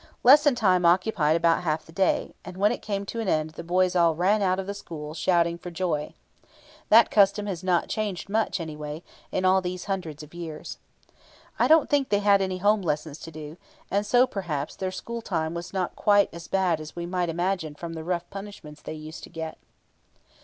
Lesson time occupied about half the day, and when it came to an end the boys all ran out of the school, shouting for joy. That custom has not changed much, anyway, in all these hundreds of years. I don't think they had any home lessons to do, and so, perhaps, their school time was not quite so bad as we might imagine from the rough punishments they used to get.